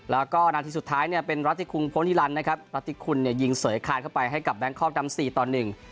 แล้วก็หนาทีสุดท้ายเป็นราศิคุลพรณิรันดร์ราศิคุลยิงเสยแคลนเข้าไปให้กับแบงค์คล่องทำสีตัวหนึ่ง